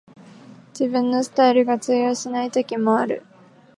自分のスタイルが通用しない時もある